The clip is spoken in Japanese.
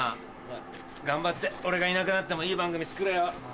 頑張って俺がいなくなってもいい番組作れよ。